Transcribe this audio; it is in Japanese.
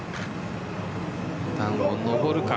段を上るか。